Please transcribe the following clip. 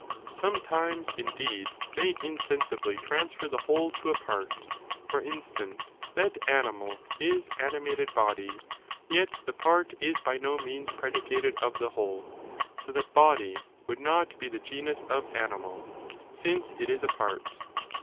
) Sometimes, indeed, they insensibly transfer the ee whole to a part, for instance, that animal is ani taking & part mated body; yet the part is by no means predi οἱ species for cated of the whole, so that body would not be the genus of animal, since it is a part.